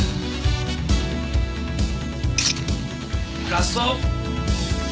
ラスト！